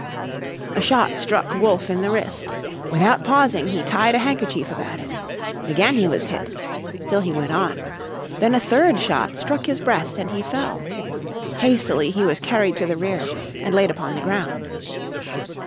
A shot struck Wolfe in the wrist. Without pausing he tied a handkerchief about it. Again he was hit. Still he went on. Then a third shot struck his breast, and he fell. Hastily he was carried to the rear, and laid upon the ground.